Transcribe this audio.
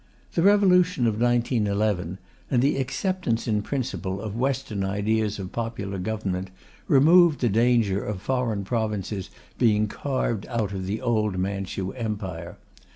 The revolution of 1911, and the acceptance in principle of Western ideas of popular government, removed the danger of foreign provinces being carved out of the old Manchu Empire.